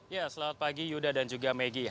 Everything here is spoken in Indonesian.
ya selamat pagi yuda dan juga megi